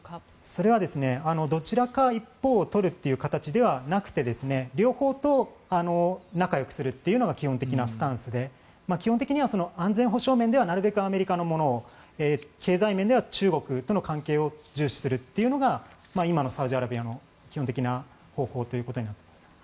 それはどちらか一方を取るという形ではなく両方と仲よくするというのが基本的なスタンスで基本的には安全保障面ではなるべくアメリカのものを経済面では中国との関係を重視するというのが今のサウジアラビアの基本的な方法ということになります。